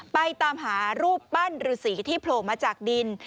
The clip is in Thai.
ไปตามหารูปปั้นฤษีที่โผล่มาจากดิน